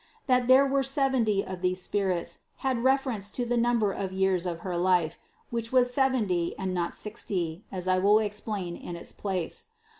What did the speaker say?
That there were seventy of these spirits, had reference to the number of years of her life, which was seventy and not sixty, as I will explain in its place.